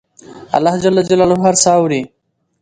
الله ج هر څه اوري